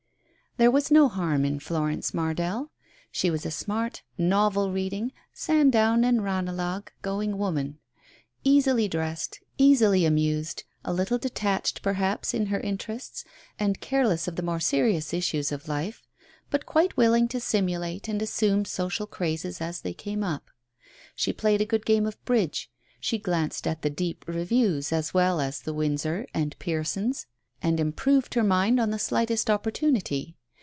There was no harm in Florence Mardell. She was a smart, novel reading, Sandown and Ranelagh going woman, easily dressed, easily amused, a little detached, perhaps, in her interests, and careless of the more serious issues of life, but quite willing to simulate and assume social crazes as they came up. She played a good game of Bridge. She glanced at the deep Reviews as well as the Windsor and Pearson's, and improved her mind on Digitized by Google THE OPERATION 41 the slightest opportunity.